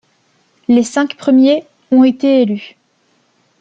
Les cinq premiers ont été élus.